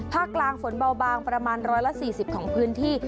กลางฝนเบาบางประมาณ๑๔๐ของพื้นที่